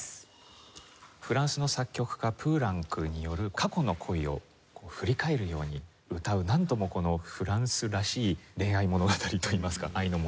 フランスの作曲家プーランクによる過去の恋を振り返るように歌うなんともフランスらしい恋愛物語といいますか愛の物語といいますか。